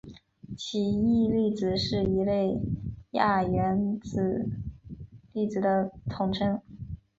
奇异粒子是一类亚原子粒子的统称。